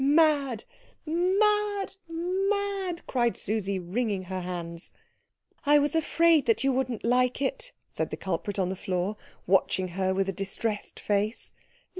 "Mad, mad, mad!" cried Susie, wringing her hands. "I was afraid that you wouldn't like it," said the culprit on the floor, watching her with a distressed face.